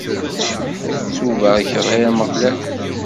Tettubarkeḍ, ay Ameɣlal!